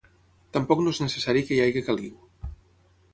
Tampoc no és necessari que hi hagi caliu.